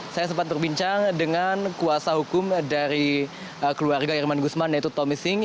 saya sempat terbincang dengan kuasa hukum dari keluarga irman gusman yaitu tommy singh